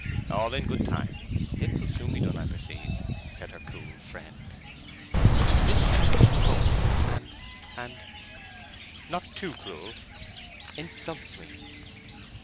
"All in good time; it will soon be done, I perceive," said her cool friend. "This trifling provokes, and—and—" "Not too cruel!" "—Insults me!"